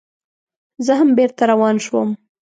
زه هم بېرته روان شوم.